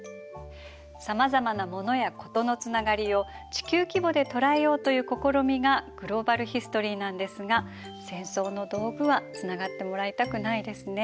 さまざまなものやことのつながりを地球規模で捉えようという試みがグローバルヒストリーなんですが戦争の道具はつながってもらいたくないですね。